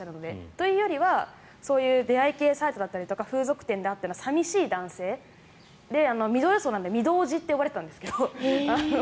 というよりは出会い系サイトだったりとか風俗店で会ったような寂しい男性でミドル層なのでミドおぢっていわれていたんですけど。